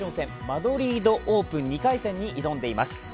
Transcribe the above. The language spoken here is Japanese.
マドリード・オープン２回戦に挑んでいます。